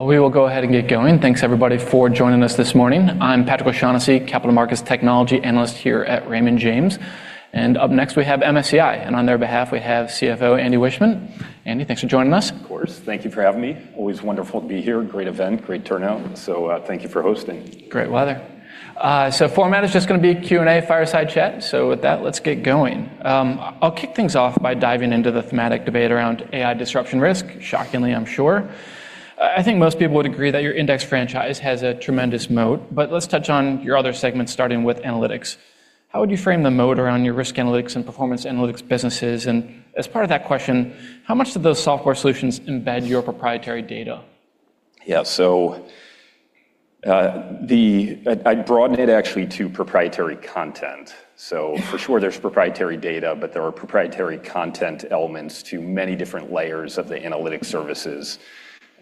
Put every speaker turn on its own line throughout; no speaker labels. We will go ahead and get going. Thanks everybody for joining us this morning. I'm Patrick O'Shaughnessy, Capital Markets Technology Analyst here at Raymond James. Up next, we have MSCI, and on their behalf, we have CFO Andrew Wiechmann. Andy, thanks for joining us.
Of course. Thank you for having me. Always wonderful to be here. Great event, great turnout. Thank you for hosting.
Great weather. Format is just gonna be Q&A, fireside chat. With that, let's get going. I'll kick things off by diving into the thematic debate around AI disruption risk, shockingly, I'm sure. I think most people would agree that your index franchise has a tremendous moat, but let's touch on your other segments, starting with analytics. How would you frame the moat around your risk analytics and performance analytics businesses? As part of that question, how much do those software solutions embed your proprietary data?
Yeah. I broaden it actually to proprietary content. For sure there's proprietary data, but there are proprietary content elements to many different layers of the analytic services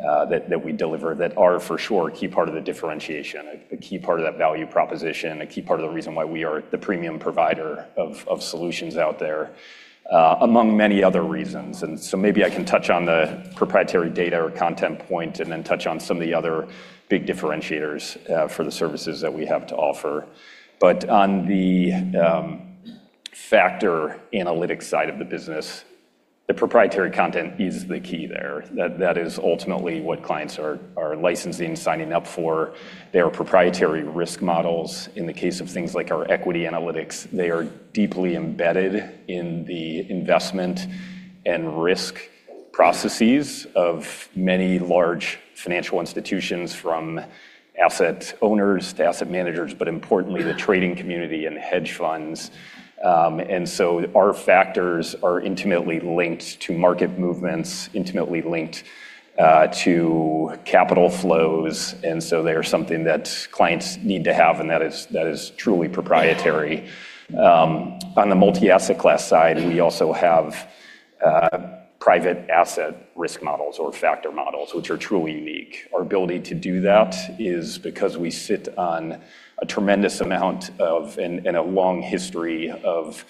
that we deliver that are for sure a key part of the differentiation, a key part of that value proposition, a key part of the reason why we are the premium provider of solutions out there among many other reasons. Maybe I can touch on the proprietary data or content point, and then touch on some of the other big differentiators for the services that we have to offer. On the factor analytics side of the business, the proprietary content is the key there. That is ultimately what clients are licensing, signing up for. They are proprietary risk models. In the case of things like our equity analytics, they are deeply embedded in the investment and risk processes of many large financial institutions from asset owners to asset managers, importantly the trading community and hedge funds. Our factors are intimately linked to market movements, intimately linked to capital flows, and so they are something that clients need to have and that is truly proprietary. On the multi-asset class side, we also have private asset risk models or factor models which are truly unique. Our ability to do that is because we sit on a tremendous amount of and a long history of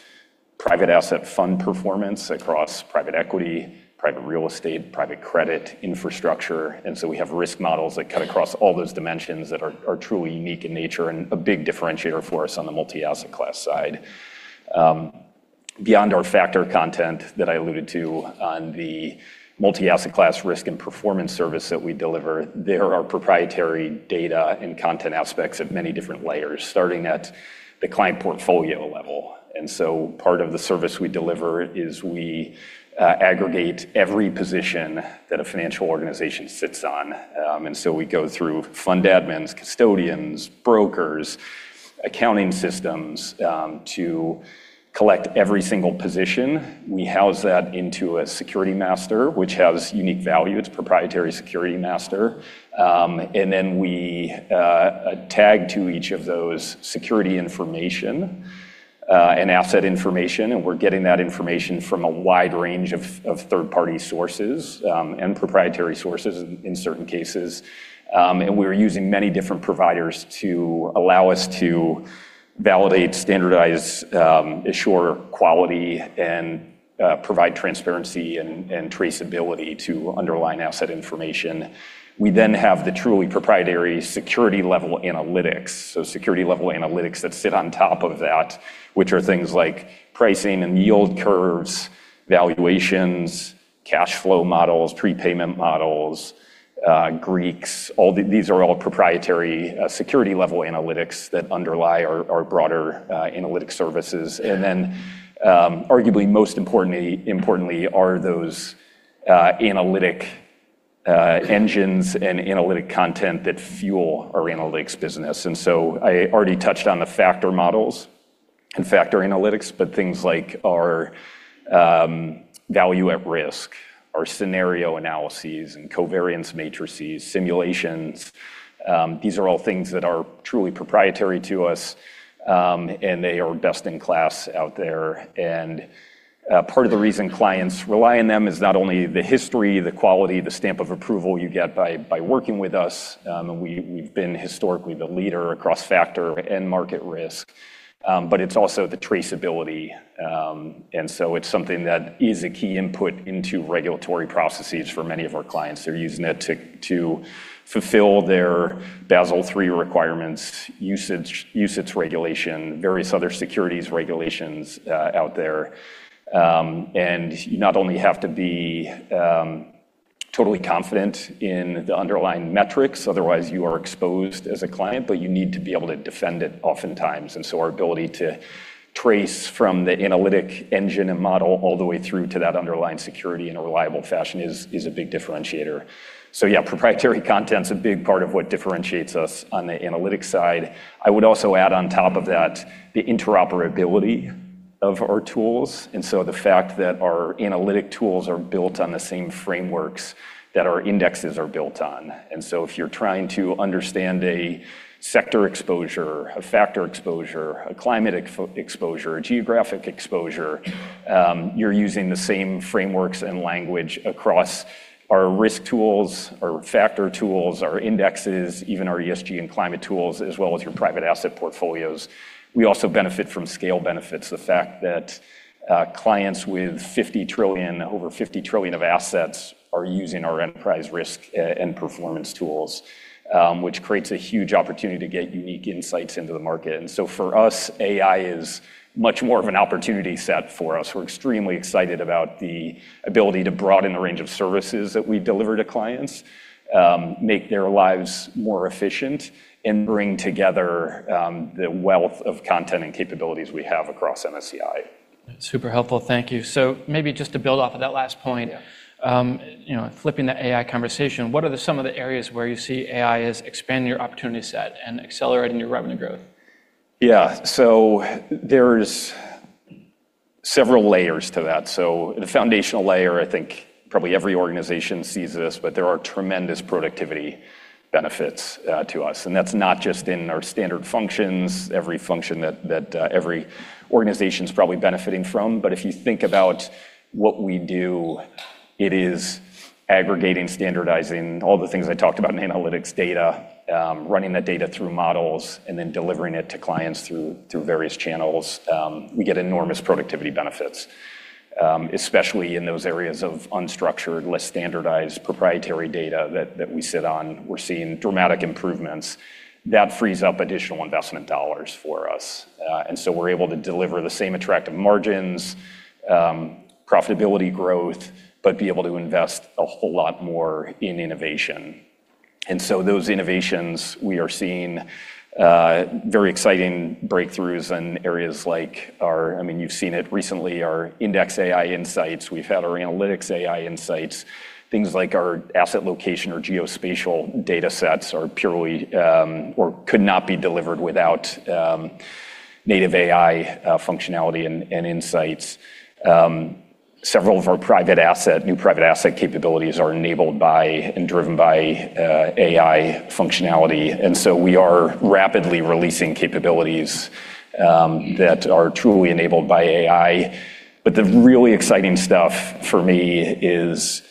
private asset fund performance across private equity, private real estate, private credit, infrastructure. We have risk models that cut across all those dimensions that are truly unique in nature and a big differentiator for us on the multi-asset class side. Beyond our factor content that I alluded to on the multi-asset class risk and performance service that we deliver, there are proprietary data and content aspects of many different layers, starting at the client portfolio level. Part of the service we deliver is we aggregate every position that a financial organization sits on. We go through fund admins, custodians, brokers, accounting systems to collect every single position. We house that into a security master which has unique value. It's proprietary security master. Then we tag to each of those security information and asset information, and we're getting that information from a wide range of third-party sources and proprietary sources in certain cases. We're using many different providers to allow us to validate, standardize, assure quality and provide transparency and traceability to underlying asset information. We have the truly proprietary security level analytics, so security level analytics that sit on top of that, which are things like pricing and yield curves, valuations, cash flow models, prepayment models, Greeks. These are all proprietary security level analytics that underlie our broader analytics services. Arguably most importantly are those analytic engines and analytic content that fuel our analytics business. I already touched on the factor models and factor analytics, but things like our Value at Risk, our scenario analyses and covariance matrices, simulations, these are all things that are truly proprietary to us, and they are best in class out there. Part of the reason clients rely on them is not only the history, the quality, the stamp of approval you get by working with us, and we've been historically the leader across factor and market risk, but it's also the traceability. It's something that is a key input into regulatory processes for many of our clients. They're using it to fulfill their Basel III requirements, usage regulation, various other securities regulations out there. You not only have to be totally confident in the underlying metrics, otherwise you are exposed as a client, but you need to be able to defend it oftentimes. Our ability to trace from the analytic engine and model all the way through to that underlying security in a reliable fashion is a big differentiator. Yeah, proprietary content's a big part of what differentiates us on the analytics side. I would also add on top of that the interoperability of our tools, the fact that our analytic tools are built on the same frameworks that our indexes are built on. If you're trying to understand a sector exposure, a factor exposure, a climate exposure, a geographic exposure, you're using the same frameworks and language across our risk tools, our factor tools, our indexes, even our ESG and climate tools, as well as your private asset portfolios. We also benefit from scale benefits, the fact that clients with over $50 trillion of assets are using our enterprise risk and performance tools, which creates a huge opportunity to get unique insights into the market. For us, AI is much more of an opportunity set for us. We're extremely excited about the ability to broaden the range of services that we deliver to clients, make their lives more efficient, and bring together the wealth of content and capabilities we have across MSCI.
Super helpful. Thank you. Maybe just to build off of that last point.
Yeah.
You know, flipping the AI conversation, what are the some of the areas where you see AI as expanding your opportunity set and accelerating your revenue growth?
There's several layers to that. The foundational layer, I think probably every organization sees this, but there are tremendous productivity benefits to us. That's not just in our standard functions, every function that every organization's probably benefiting from. If you think about what we do, it is aggregating, standardizing all the things I talked about in analytics data, running the data through models, and then delivering it to clients through various channels. We get enormous productivity benefits, especially in those areas of unstructured, less standardized proprietary data that we sit on. We're seeing dramatic improvements. That frees up additional investment dollars for us. We're able to deliver the same attractive margins, profitability growth, but be able to invest a whole lot more in innovation. Those innovations, we are seeing very exciting breakthroughs in areas like you've seen it recently, our IndexAI Insights. We've had our AI Portfolio Insights. Things like our geospatial datasets are purely, or could not be delivered without AI functionality and insights. Several of our new private asset capabilities are enabled by and driven by AI functionality. We are rapidly releasing capabilities that are truly enabled by AI. The really exciting stuff for me is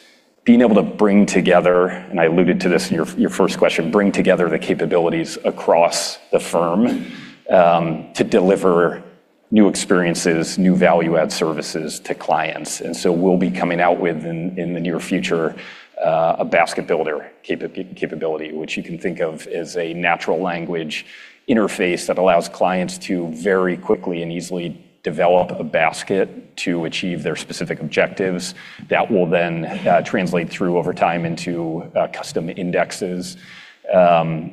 being able to bring together, and I alluded to this in your first question, bring together the capabilities across the firm to deliver new experiences, new value-add services to clients. We'll be coming out with in the near future, a basket builder capability, which you can think of as a natural language interface that allows clients to very quickly and easily develop a basket to achieve their specific objectives that will then translate through over time into custom indexes. Then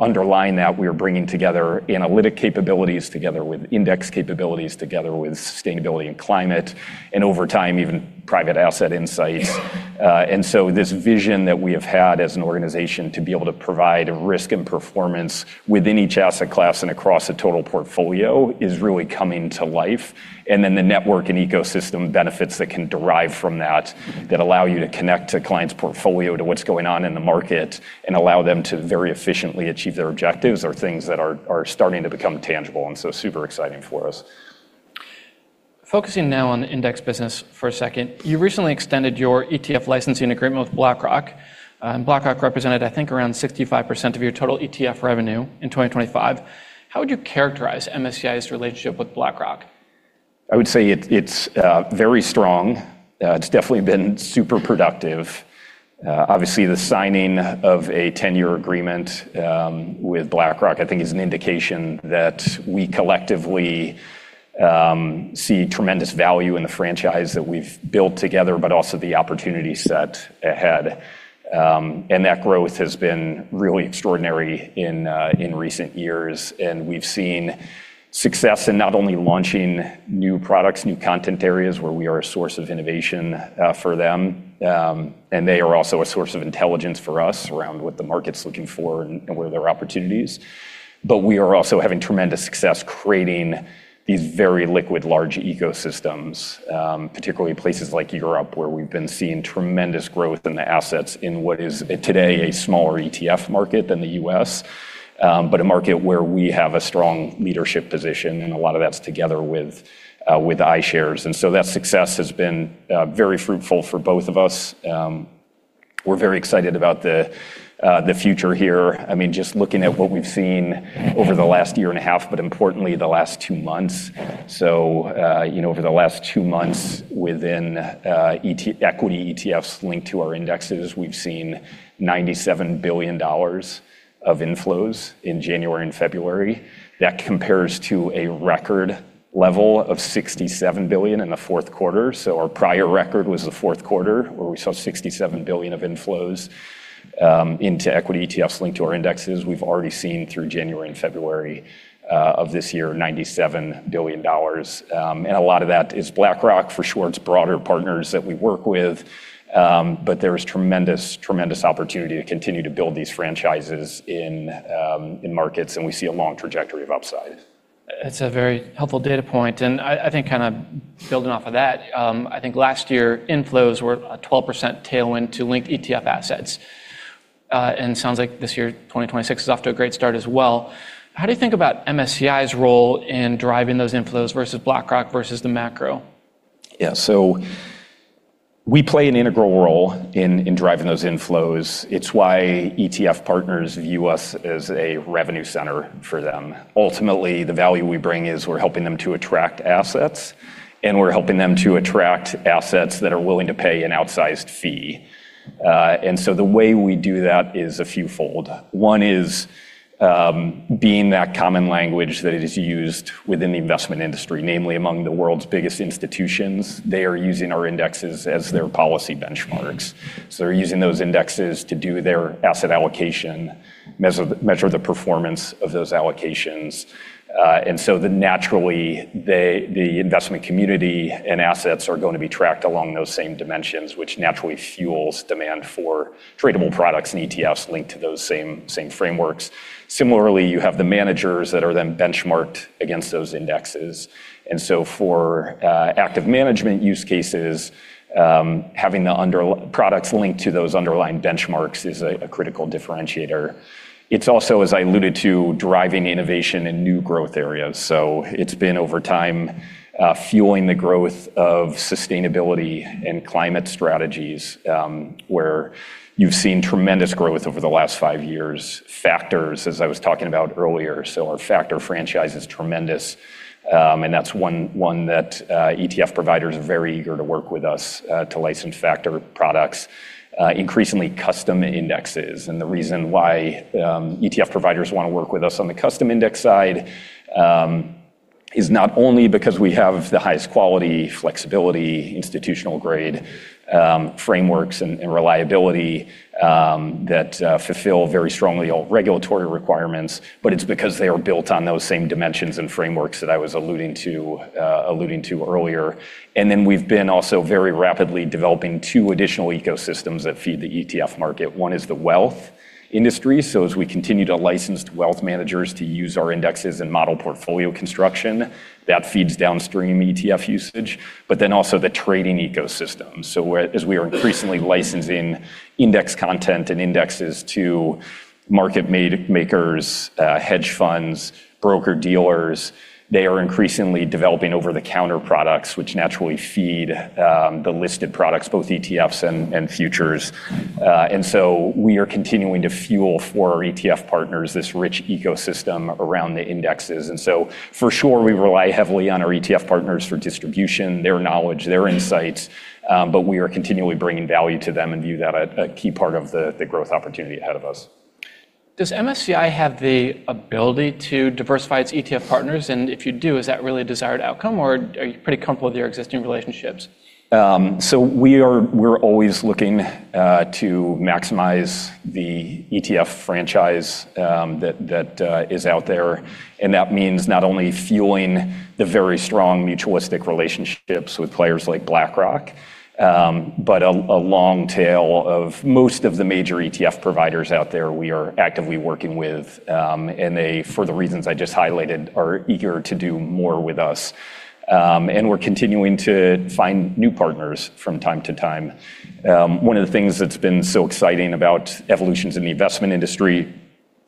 underlying that, we are bringing together analytic capabilities together with index capabilities together with sustainability and climate, and over time, even private asset insights. This vision that we have had as an organization to be able to provide risk and performance within each asset class and across a total portfolio is really coming to life. The network and ecosystem benefits that can derive from that allow you to connect a client's portfolio to what's going on in the market and allow them to very efficiently achieve their objectives are things that are starting to become tangible and so super exciting for us.
Focusing now on the index business for a second. You recently extended your ETF licensing agreement with BlackRock. BlackRock represented, I think, around 65% of your total ETF revenue in 2025. How would you characterize MSCI's relationship with BlackRock?
I would say it's very strong. It's definitely been super productive. Obviously, the signing of a 10-year agreement with BlackRock, I think is an indication that we collectively see tremendous value in the franchise that we've built together, but also the opportunity set ahead. That growth has been really extraordinary in recent years. We've seen success in not only launching new products, new content areas where we are a source of innovation for them, and they are also a source of intelligence for us around what the market's looking for and where there are opportunities. We are also having tremendous success creating these very liquid large ecosystems, particularly in places like Europe, where we've been seeing tremendous growth in the assets in what is today a smaller ETF market than the US, but a market where we have a strong leadership position, and a lot of that's together with iShares. That success has been very fruitful for both of us. We're very excited about the future here. I mean, just looking at what we've seen over the last year and a half, but importantly, the last two months. You know, over the last two months within equity ETFs linked to our indexes, we've seen $97 billion of inflows in January and February. That compares to a record level of $67 billion in the fourth quarter. Our prior record was the fourth quarter, where we saw $67 billion of inflows into equity ETFs linked to our indexes. We've already seen through January and February of this year, $97 billion. A lot of that is BlackRock for sure, its broader partners that we work with. There is tremendous opportunity to continue to build these franchises in markets, and we see a long trajectory of upside.
It's a very helpful data point, and I think kinda building off of that, I think last year inflows were a 12% tailwind to linked ETF assets. Sounds like this year, 2026, is off to a great start as well. How do you think about MSCI's role in driving those inflows versus BlackRock versus the macro?
Yeah. We play an integral role in driving those inflows. It's why ETF partners view us as a revenue center for them. Ultimately, the value we bring is we're helping them to attract assets, and we're helping them to attract assets that are willing to pay an outsized fee. The way we do that is a fewfold. One is, being that common language that is used within the investment industry, namely among the world's biggest institutions. They are using our indexes as their policy benchmarks. They're using those indexes to do their asset allocation, measure the performance of those allocations. Naturally, the investment community and assets are gonna be tracked along those same dimensions, which naturally fuels demand for tradable products and ETFs linked to those same frameworks. Similarly, you have the managers that are then benchmarked against those indexes. For active management use cases, having the products linked to those underlying benchmarks is a critical differentiator. It's also, as I alluded to, driving innovation in new growth areas. It's been over time, fueling the growth of sustainability and climate strategies, where you've seen tremendous growth over the last 5 years. Factors, as I was talking about earlier, our factor franchise is tremendous, and that's one that ETF providers are very eager to work with us to license factor products. Increasingly custom indexes and the reason why ETF providers wanna work with us on the custom index side is not only because we have the highest quality, flexibility, institutional-grade frameworks and reliability that fulfill very strongly all regulatory requirements, but it's because they are built on those same dimensions and frameworks that I was alluding to earlier. We've been also very rapidly developing two additional ecosystems that feed the ETF market. One is the wealth industry. As we continue to license wealth managers to use our indexes and model portfolio construction, that feeds downstream ETF usage, but then also the trading ecosystem. As we are increasingly licensing index content and indexes to market makers, hedge funds, broker-dealers, they are increasingly developing over-the-counter products which naturally feed the listed products, both ETFs and futures. We are continuing to fuel for our ETF partners this rich ecosystem around the indexes. For sure, we rely heavily on our ETF partners for distribution, their knowledge, their insights, but we are continually bringing value to them and view that a key part of the growth opportunity ahead of us.
Does MSCI have the ability to diversify its ETF partners? If you do, is that really a desired outcome or are you pretty comfortable with your existing relationships?
We're always looking to maximize the ETF franchise that is out there, and that means not only fueling the very strong mutualistic relationships with players like BlackRock, but a long tail of most of the major ETF providers out there we are actively working with, and they, for the reasons I just highlighted, are eager to do more with us. We're continuing to find new partners from time to time. One of the things that's been so exciting about evolutions in the investment industry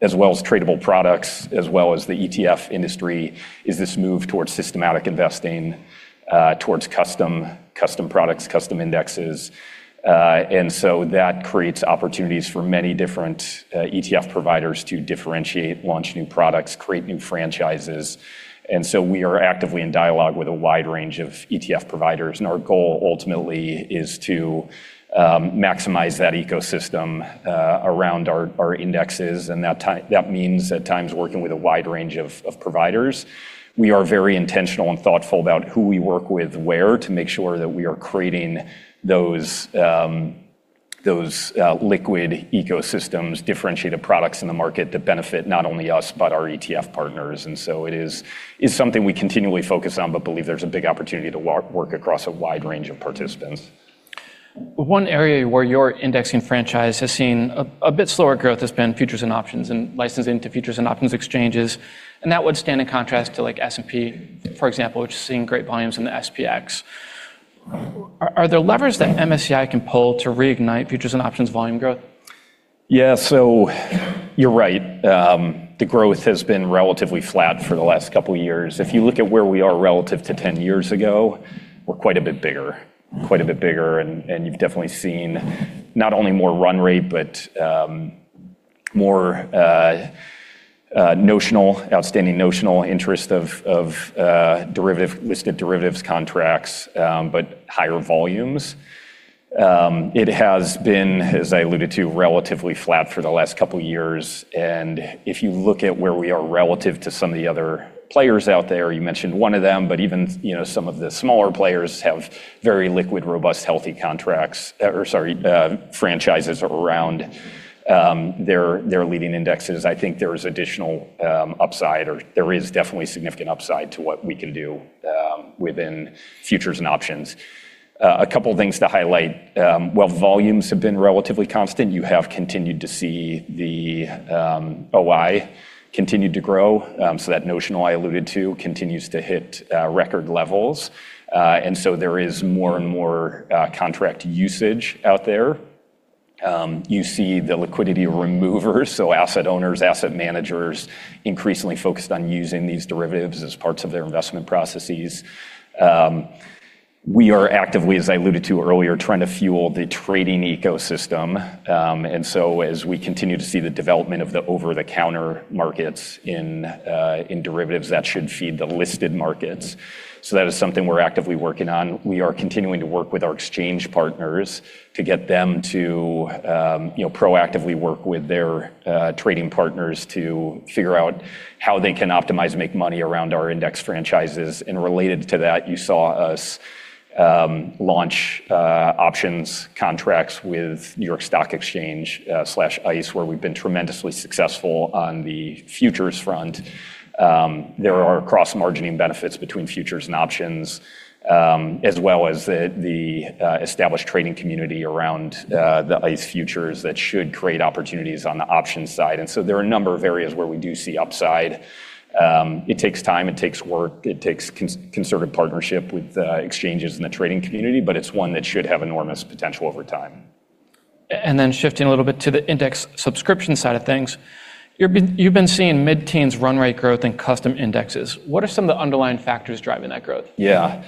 as well as tradable products, as well as the ETF industry, is this move towards systematic investing, towards custom products, custom indexes. That creates opportunities for many different ETF providers to differentiate, launch new products, create new franchises. We are actively in dialogue with a wide range of ETF providers. Our goal ultimately is to maximize that ecosystem around our indexes and that means at times working with a wide range of providers. We are very intentional and thoughtful about who we work with where to make sure that we are creating those liquid ecosystems, differentiated products in the market that benefit not only us but our ETF partners. It is something we continually focus on but believe there's a big opportunity to work across a wide range of participants.
One area where your indexing franchise has seen a bit slower growth has been futures and options and licensing to futures and options exchanges, and that would stand in contrast to like S&P, for example, which has seen great volumes in the SPX. Are there levers that MSCI can pull to reignite futures and options volume growth?
You're right. The growth has been relatively flat for the last couple years. If you look at where we are relative to 10 years ago, we're quite a bit bigger, and you've definitely seen not only more run rate, but outstanding notional interest of listed derivatives contracts, but higher volumes. It has been, as I alluded to, relatively flat for the last couple years. If you look at where we are relative to some of the other players out there, you mentioned one of them, but even, you know, some of the smaller players have very liquid, robust, healthy contracts, or sorry, franchises around their leading indexes. I think there is additional upside or there is definitely significant upside to what we can do within futures and options. A couple things to highlight. While volumes have been relatively constant, you have continued to see the OI continue to grow. That notional I alluded to continues to hit record levels. There is more and more contract usage out there. You see the liquidity removers, so asset owners, asset managers increasingly focused on using these derivatives as parts of their investment processes. We are actively, as I alluded to earlier, trying to fuel the trading ecosystem. As we continue to see the development of the over-the-counter markets in derivatives, that should feed the listed markets. That is something we're actively working on. We are continuing to work with our exchange partners to get them to, you know, proactively work with their trading partners to figure out how they can optimize and make money around our index franchises. Related to that, you saw us launch options contracts with New York Stock Exchange slash ICE, where we've been tremendously successful on the futures front. There are cross-margining benefits between futures and options, as well as the established trading community around the ICE futures that should create opportunities on the options side. There are a number of areas where we do see upside. It takes time, it takes work, it takes conservative partnership with exchanges in the trading community, but it's one that should have enormous potential over time.
Shifting a little bit to the index subscription side of things, you've been seeing mid-teens run rate growth in custom indexes. What are some of the underlying factors driving that growth?
Yeah.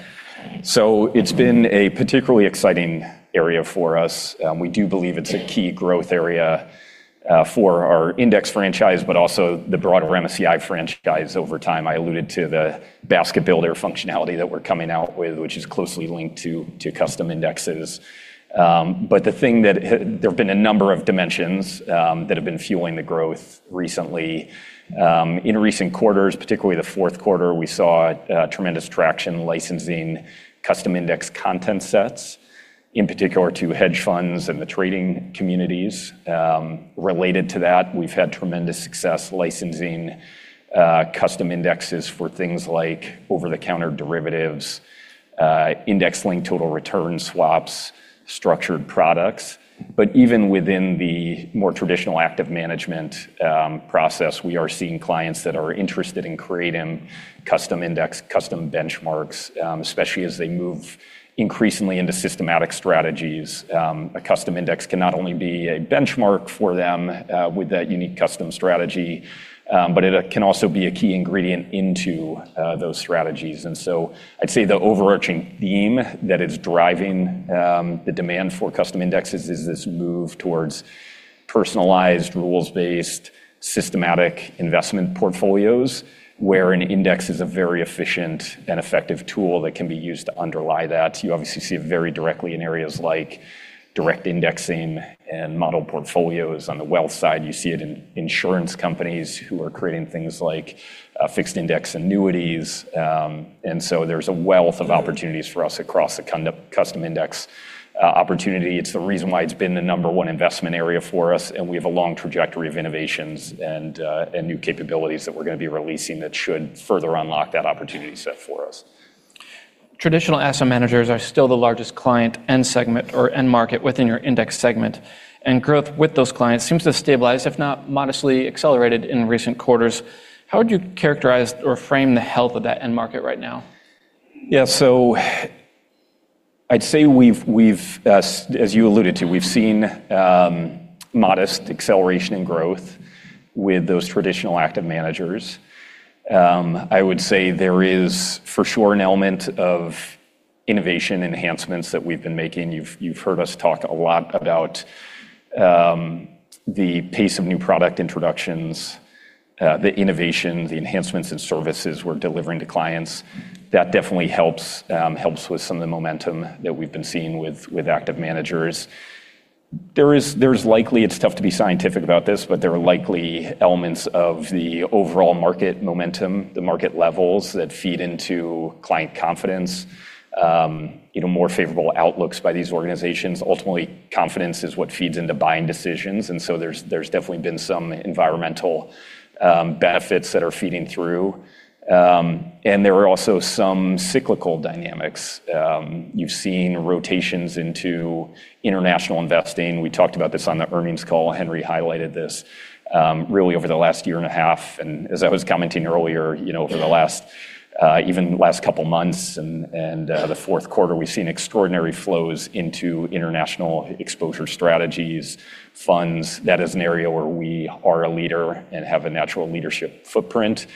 It's been a particularly exciting area for us. We do believe it's a key growth area for our index franchise, but also the broader MSCI franchise over time. I alluded to the basket builder functionality that we're coming out with, which is closely linked to custom indexes. There have been a number of dimensions that have been fueling the growth recently. In recent quarters, particularly the fourth quarter, we saw tremendous traction licensing custom index content sets, in particular to hedge funds and the trading communities. Related to that, we've had tremendous success licensing custom indexes for things like over-the-counter derivatives, index-linked total return swaps, structured products. Even within the more traditional active management process, we are seeing clients that are interested in creating custom index, custom benchmarks, especially as they move increasingly into systematic strategies. A custom index can not only be a benchmark for them, with that unique custom strategy, but it can also be a key ingredient into those strategies. I'd say the overarching theme that is driving the demand for custom indexes is this move towards personalized, rules-based, systematic investment portfolios, where an index is a very efficient and effective tool that can be used to underlie that. You obviously see it very directly in areas like direct indexing and model portfolios on the wealth side. You see it in insurance companies who are creating things like fixed index annuities. There's a wealth of opportunities for us across the custom index opportunity. It's the reason why it's been the number one investment area for us, and we have a long trajectory of innovations and new capabilities that we're gonna be releasing that should further unlock that opportunity set for us.
Traditional asset managers are still the largest client end segment or end market within your index segment. Growth with those clients seems to have stabilized, if not modestly accelerated in recent quarters. How would you characterize or frame the health of that end market right now?
I'd say we've, as you alluded to, we've seen modest acceleration in growth with those traditional active managers. I would say there is for sure an element of innovation enhancements that we've been making. You've heard us talk a lot about the pace of new product introductions, the innovation, the enhancements in services we're delivering to clients. That definitely helps with some of the momentum that we've been seeing with active managers. There's likely, it's tough to be scientific about this, but there are likely elements of the overall market momentum, the market levels that feed into client confidence, you know, more favorable outlooks by these organizations. Ultimately, confidence is what feeds into buying decisions, there's definitely been some environmental benefits that are feeding through. There are also some cyclical dynamics. You've seen rotations into international investing. We talked about this on the earnings call. Henry highlighted this, really over the last year and a half. As I was commenting earlier, you know, over the last even last couple months and the fourth quarter, we've seen extraordinary flows into international exposure strategies, funds. That is an area where we are a leader and have a natural leadership footprint.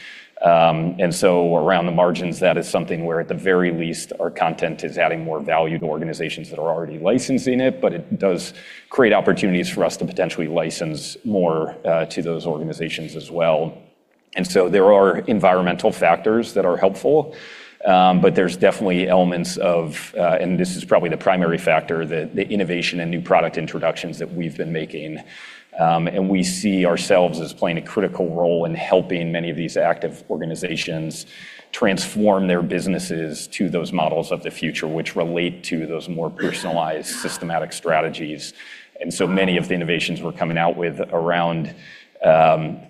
Around the margins, that is something where at the very least our content is adding more value to organizations that are already licensing it, but it does create opportunities for us to potentially license more to those organizations as well. There are environmental factors that are helpful, but there's definitely elements of, and this is probably the primary factor, the innovation and new product introductions that we've been making. We see ourselves as playing a critical role in helping many of these active organizations transform their businesses to those models of the future, which relate to those more personalized systematic strategies. Many of the innovations we're coming out with around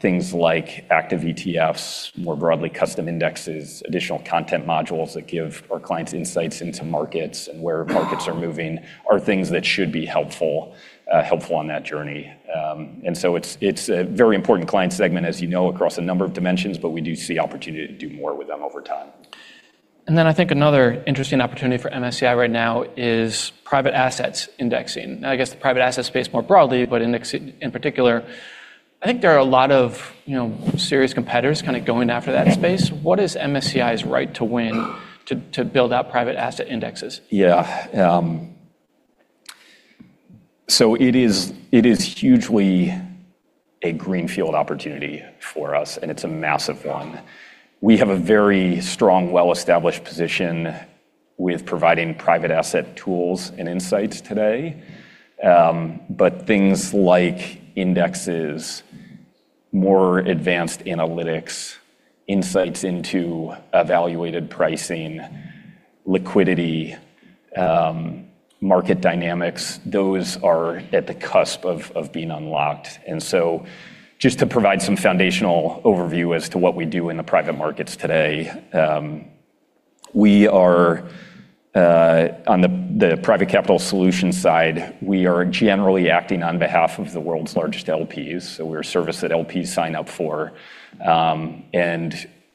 things like active ETFs, more broadly custom indexes, additional content modules that give our clients insights into markets and where markets are moving, are things that should be helpful on that journey. It's a very important client segment, as you know, across a number of dimensions, but we do see opportunity to do more with them over time.
I think another interesting opportunity for MSCI right now is private assets indexing. I guess the private asset space more broadly, but indexing in particular. I think there are a lot of, you know, serious competitors kind of going after that space. What is MSCI's right to win to build out private asset indexes?
Yeah. It is hugely a greenfield opportunity for us, and it's a massive one. We have a very strong, well-established position with providing private asset tools and insights today. Things like indexes, more advanced analytics, insights into evaluated pricing, liquidity, market dynamics, those are at the cusp of being unlocked. Just to provide some foundational overview as to what we do in the private markets today, we are on the Private Capital Solutions side, we are generally acting on behalf of the world's largest LPs, so we're a service that LPs sign up for.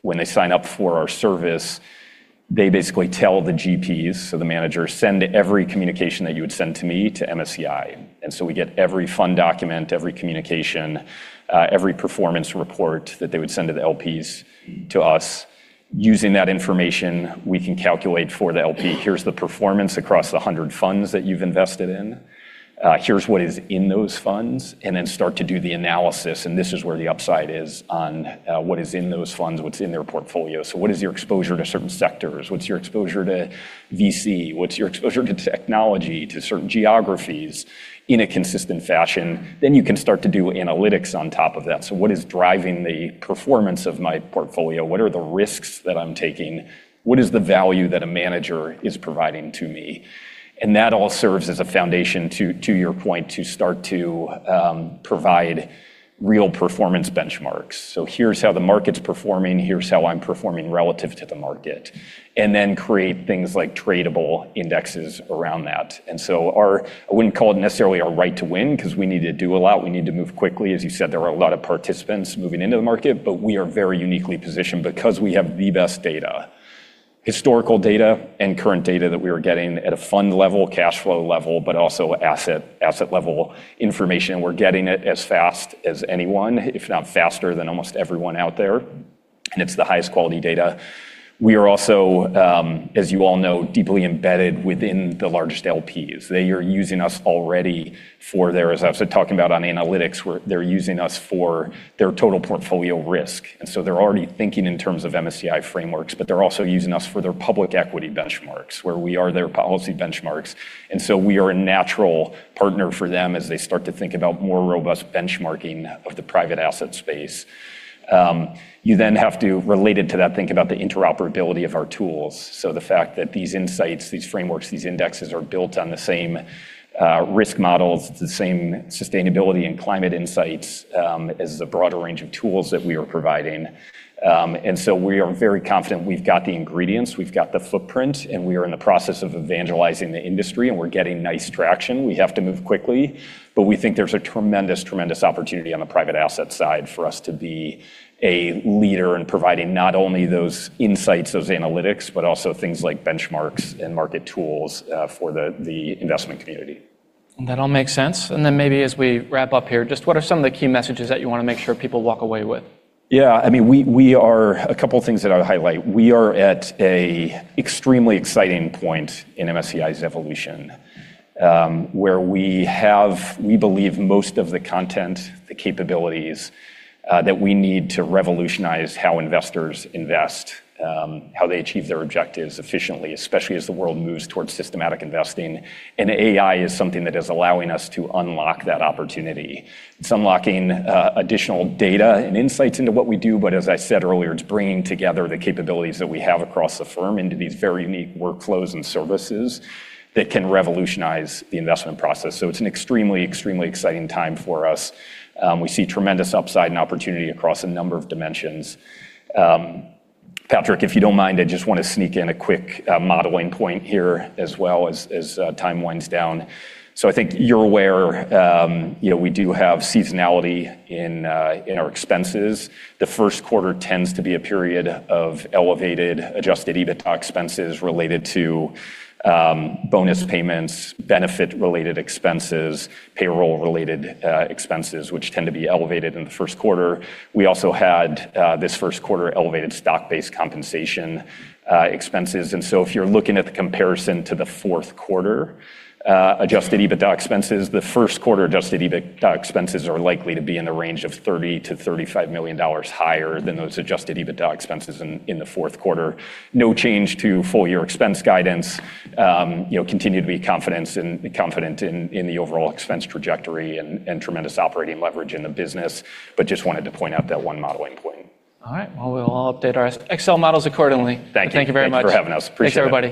When they sign up for our service, they basically tell the GPs, so the managers, "Send every communication that you would send to me to MSCI." We get every fund document, every communication, every performance report that they would send to the LPs to us. Using that information, we can calculate for the LP, here's the performance across the 100 funds that you've invested in, here's what is in those funds, and then start to do the analysis, and this is where the upside is on what is in those funds, what's in their portfolio. What is your exposure to certain sectors? What's your exposure to VC? What's your exposure to technology, to certain geographies in a consistent fashion? You can start to do analytics on top of that. What is driving the performance of my portfolio? What are the risks that I'm taking? What is the value that a manager is providing to me? That all serves as a foundation to your point, to start to, provide real performance benchmarks. Here's how the market's performing, here's how I'm performing relative to the market, and then create things like tradable indexes around that. I wouldn't call it necessarily our right to win 'cause we need to do a lot, we need to move quickly. As you said, there are a lot of participants moving into the market, but we are very uniquely positioned because we have the best data. Historical data and current data that we are getting at a fund level, cash flow level, but also asset level information. We're getting it as fast as anyone, if not faster than almost everyone out there, and it's the highest quality data. We are also, as you all know, deeply embedded within the largest LPs. They are using us already for their, as I was talking about on analytics, where they're using us for their total portfolio risk. They're already thinking in terms of MSCI frameworks, but they're also using us for their public equity benchmarks, where we are their policy benchmarks. We are a natural partner for them as they start to think about more robust benchmarking of the private asset space. You have to, related to that, think about the interoperability of our tools. The fact that these insights, these frameworks, these indexes are built on the same risk models, the same sustainability and climate insights, as the broader range of tools that we are providing. We are very confident we've got the ingredients, we've got the footprint, and we are in the process of evangelizing the industry, and we're getting nice traction. We have to move quickly, but we think there's a tremendous opportunity on the private asset side for us to be a leader in providing not only those insights, those analytics, but also things like benchmarks and market tools for the investment community.
That all makes sense. Maybe as we wrap up here, just what are some of the key messages that you wanna make sure people walk away with?
Yeah. I mean, we are a couple things that I would highlight. We are at a extremely exciting point in MSCI's evolution, where we have, we believe, most of the content, the capabilities, that we need to revolutionize how investors invest, how they achieve their objectives efficiently, especially as the world moves towards systematic investing. AI is something that is allowing us to unlock that opportunity. It's unlocking additional data and insights into what we do, but as I said earlier, it's bringing together the capabilities that we have across the firm into these very unique workflows and services that can revolutionize the investment process. It's an extremely exciting time for us. We see tremendous upside and opportunity across a number of dimensions. Patrick, if you don't mind, I just want to sneak in a quick modeling point here as well as time winds down. I think you're aware, you know, we do have seasonality in our expenses. The first quarter tends to be a period of elevated Adjusted EBITDA expenses related to bonus payments, benefit-related expenses, payroll-related expenses, which tend to be elevated in the first quarter. We also had this first quarter elevated stock-based compensation expenses. If you're looking at the comparison to the fourth quarter, Adjusted EBITDA expenses, the first quarter Adjusted EBITDA expenses are likely to be in the range of $30 million-$35 million higher than those Adjusted EBITDA expenses in the fourth quarter. No change to full year expense guidance. you know, continue to be confident in the overall expense trajectory and tremendous operating leverage in the business, but just wanted to point out that one modeling point.
All right. Well, we'll all update our Excel models accordingly.
Thank you.
Thank you very much.
Thank you for having us. Appreciate it.
Thanks, everybody.